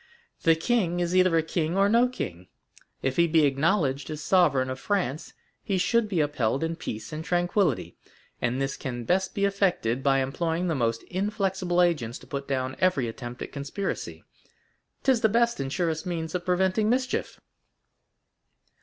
The king is either a king or no king; if he be acknowledged as sovereign of France, he should be upheld in peace and tranquillity; and this can best be effected by employing the most inflexible agents to put down every attempt at conspiracy—'tis the best and surest means of preventing mischief."